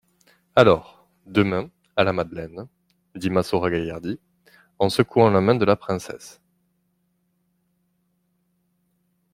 Alors, demain, à la Madeleine, dit Massot ragaillardi, en secouant la main de la princesse.